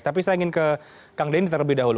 tapi saya ingin ke kang denny terlebih dahulu